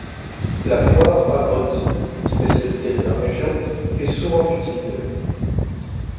La poire à Botzi, spécialité de la région, est souvent utilisée.